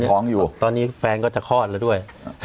แล้วตอนนี้แฟนก็จะคลอดแล้วด้วย